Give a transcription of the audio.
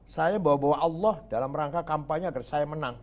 saya bawa bawa allah dalam rangka kampanye agar saya menang